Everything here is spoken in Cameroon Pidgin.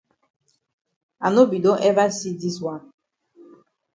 I no be don ever see dis wan.